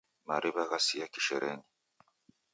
Mariw'a ghasia kisherenyi.